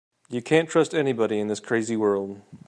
You can't trust anybody in this crazy world.